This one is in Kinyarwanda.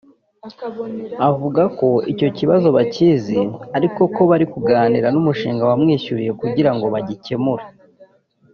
avuga ko icyo kibazo bakizi ariko ko bari kuganira n’umushinga wabishyuriye kugira ngo bagikemure